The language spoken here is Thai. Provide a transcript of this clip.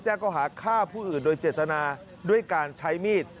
ก่อหาฆ่าผู้อื่นโดยเจตนาด้วยการใช้มีด